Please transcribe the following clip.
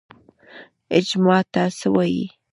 اجماع څه ته وایي؟